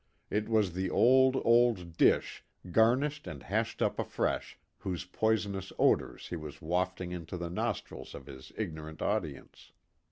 It was the old, old dish garnished and hashed up afresh, whose poisonous odors he was wafting into the nostrils of his ignorant audience.